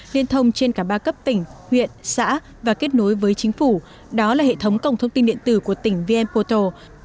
liên thông trên cả ba cấp tỉnh huyện xã và kết nối với chính phủ đó là hệ thống cổng thông tin điện tử của tỉnh vnpoto